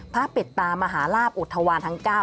พระปิดตามหาราบอุทวาลทางเก้า